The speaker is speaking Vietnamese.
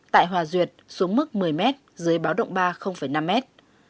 tại hòa duyệt xuống mức một mươi mét dưới báo động ba năm mét